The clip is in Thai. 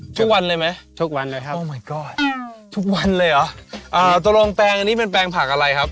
ทุกวันเลยเหรออ่าตรงแปลงอันนี้เป็นแปลงผักอะไรครับ